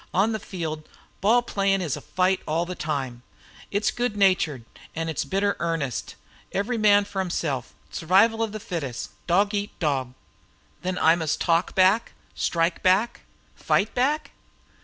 On the field ball playing is a fight all the time. It's good natured and it's bitter earnest. Every man for himself! Survival of the fittest! Dog eat dog!" "Then I must talk back, strike back, fight back?"